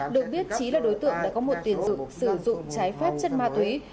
được biết trí là đối tượng đã có một tiền sử dụng sử dụng trái phép chất ma túy